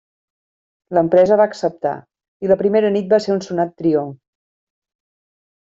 L'empresa va acceptar i la primera nit va ser un sonat triomf.